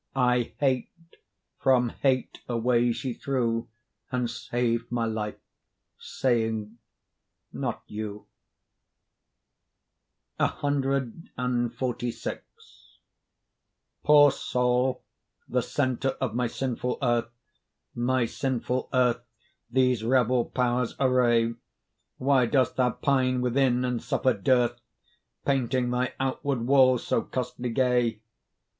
'I hate', from hate away she threw, And sav'd my life, saying 'not you'. CXLVI Poor soul, the centre of my sinful earth, My sinful earth these rebel powers array, Why dost thou pine within and suffer dearth, Painting thy outward walls so costly gay?